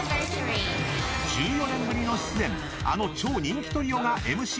１４年ぶりの出演あの超人気トリオがＭＣ。